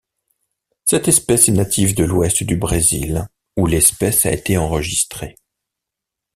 Cette espèce est native de l'Ouest du Brésil, ou l'espèce a été enregistrée.